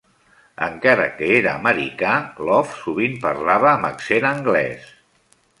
Encara que era americà, Love sovint parlava amb accent anglès.